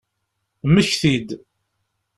Mmekti-d!